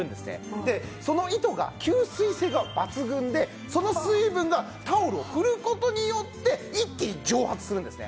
でその糸が吸水性が抜群でその水分がタオルを振る事によって一気に蒸発するんですね。